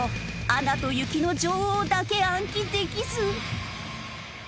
『アナと雪の女王』だけ暗記できず。